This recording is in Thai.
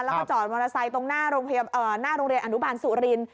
แล้วก็จอดมอเตอร์ไซค์ตรงหน้าโรงเรียนอนุบาลสุริน